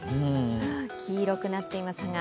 黄色くなっていますが。